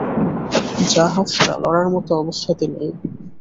জাহাজটা লড়ার মতো অবস্থাতে নেই।